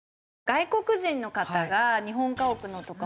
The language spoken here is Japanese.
外国人の方が日本家屋のとかは。